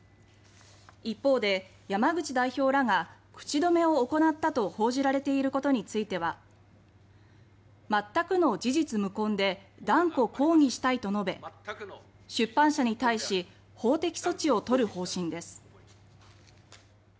一方で、山口代表らが口止めを行ったと報じられていることについては「全くの事実無根で断固抗議したい」と述べ出版社に対し法的措置をとるとしています。